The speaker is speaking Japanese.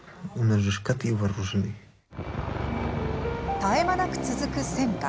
絶え間なく続く戦火。